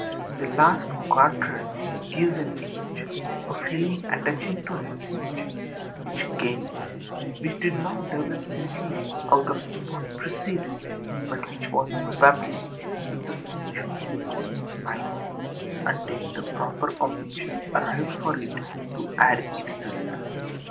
The last quatrain gives an image, a feeling attaching to an image, which âcame,â which did not develop simply out of what precedes, but which was probably in suspension in the poetâs mind until the proper combination arrived for it to add itself to.